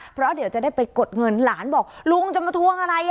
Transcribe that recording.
เพราะเดี๋ยวจะได้ไปกดเงินหลานบอกลุงจะมาทวงอะไร